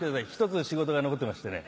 １つ仕事が残ってましてね。